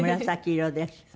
紫色です。